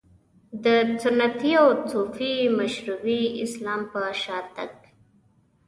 د سنتي او صوفي مشربي اسلام په شا تګ.